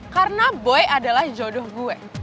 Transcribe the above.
karena boy adalah jodoh gue